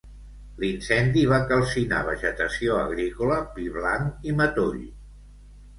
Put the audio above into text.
L'incendi va calcinar vegetació agrícola, pi blanc i matoll.